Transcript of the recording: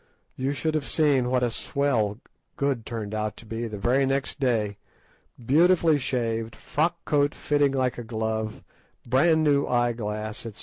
You should have seen what a swell Good turned out the very next day, beautifully shaved, frock coat fitting like a glove, brand new eye glass, etc.